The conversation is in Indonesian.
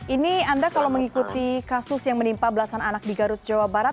ini anda kalau mengikuti kasus yang menimpa belasan anak di garut jawa barat